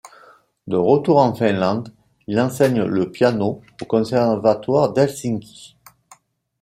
De retour en Finlande, il enseigne le piano au Conservatoire d'Helsinki.